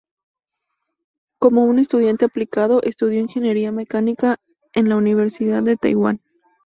Como un estudiante aplicado, estudió ingeniería mecánica en la Universidad de Taiwán.